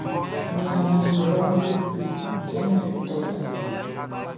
Ɲanmiɛn su lɔʼn ti ble kɛ nzueʼn tɔ danʼn.